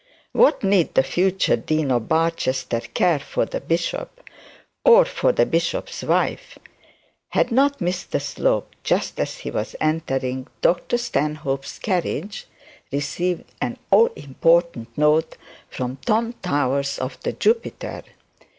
What need the future dean of Barchester care for the bishop, or for the bishop's wife? Had not Mr Slope, just as he was entering Dr Stanhope's carriage, received an important note from Tom Towers of the Jupiter?